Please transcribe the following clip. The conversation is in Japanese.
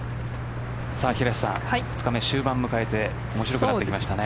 平瀬さん、２日目終盤を迎えて面白くなってきましたね。